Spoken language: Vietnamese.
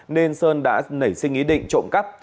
nên sơn đã nảy sinh ý định trộm cắp